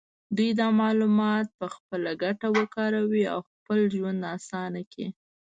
دوی دا معلومات په خپله ګټه وکاروي او خپل ژوند اسانه کړي.